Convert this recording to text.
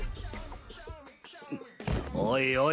おいおい